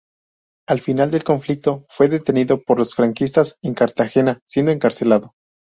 Al final del conflicto fue detenido por los franquistas en Cartagena, siendo encarcelado.